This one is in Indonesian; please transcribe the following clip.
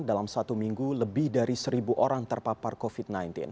dalam satu minggu lebih dari seribu orang terpapar covid sembilan belas